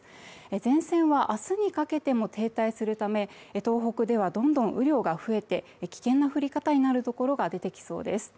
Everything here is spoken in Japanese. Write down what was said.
前線はあすにかけても停滞するため、東北ではどんどん雨量が増えて危険な降り方になるところが出てきそうです。